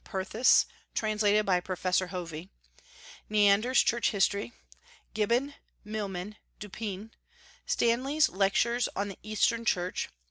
Perthes, translated by Professor Hovey; Neander's Church History; Gibbon; Milman; Du Pin; Stanley's Lectures on the Eastern Church.